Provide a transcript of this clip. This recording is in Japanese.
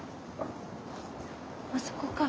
あそこか。